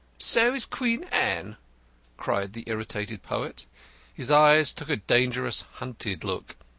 "So is Queen Anne," cried the irritated poet. His eyes took a dangerous hunted look.